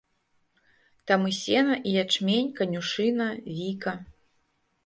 Там і сена, і ячмень, канюшына, віка.